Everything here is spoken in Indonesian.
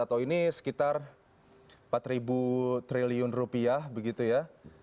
atau ini sekitar empat triliun rupiah begitu ya